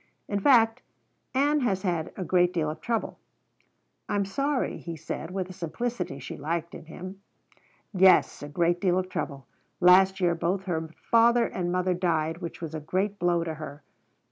In fact, Ann has had a great deal of trouble." "I'm sorry," he said with a simplicity she liked in him. "Yes, a great deal of trouble. Last year both her father and mother died, which was a great blow to her."